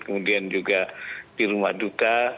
kemudian juga di rumah duka